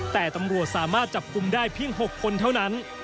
แต่ตำรวจสามารถจับกลุ่มได้เพียง๖คนเท่านั้น